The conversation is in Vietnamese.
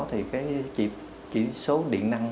thì cái chỉ số điện năng